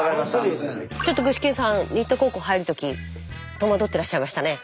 ちょっと具志堅さん新田高校入る時戸惑ってらっしゃいましたね。